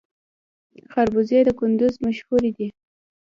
خربوزې د کندز مشهورې دي